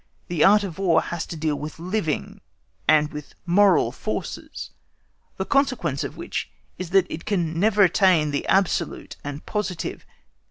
The Art of War has to deal with living and with moral forces, the consequence of which is that it can never attain the absolute and positive.